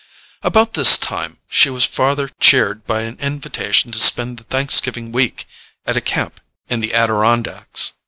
About this time she was farther cheered by an invitation to spend the Thanksgiving week at a camp in the Adirondacks.